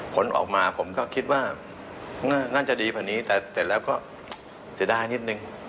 ผลออกมาผมก็คิดว่าน่าจะดีกว่านี้แต่เสร็จแล้วก็เสียดายนิดนึง